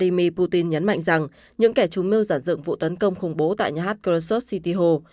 vladimir putin nhấn mạnh rằng những kẻ chủ mưu giản dựng vụ tấn công khủng bố tại nhà hát khrushchev city hall